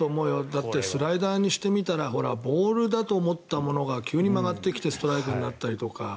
だって、スライダーにしてみたらボールだと思ったものが急に曲がってきてストライクになったりとか。